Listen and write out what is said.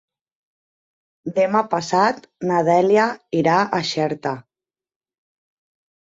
Demà passat na Dèlia irà a Xerta.